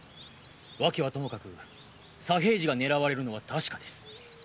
訳はともかく左平次が狙われるのは確かです。